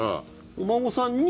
お孫さんに。